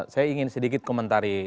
saya ingin sedikit komentari